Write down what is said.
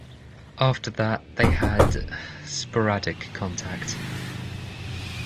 After that, they had sporadic contact.